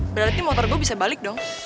berarti motor gue bisa balik dong